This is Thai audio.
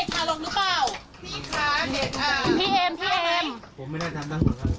๔คนนั้นรับสารภาพไหมพี่แล้วว่าใครฮะ